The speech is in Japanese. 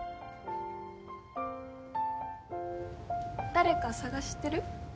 誰か捜してる？